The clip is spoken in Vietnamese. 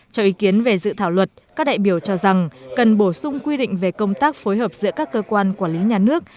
cho ý kiến về dự thảo luật các đại biểu cho rằng cần bổ sung quy định về công tác phối hợp giữa các cơ quan quản lý nhà nước